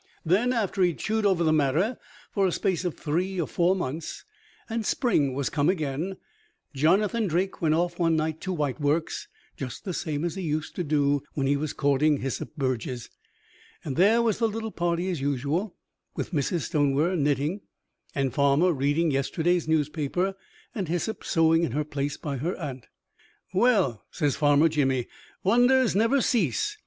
Then, after he'd chewed over the matter for a space of three or four months, and spring was come again, Jonathan Drake went off one night to White Works, just the same as he used to do when he was courting Hyssop Burges; and there was the little party as usual, with Mrs. Stonewer knitting, and Farmer reading yesterday's newspaper, and Hyssop sewing in her place by her aunt. "Well!" says Farmer Jimmy, "wonders never cease!